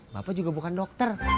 bapak juga bukan dokter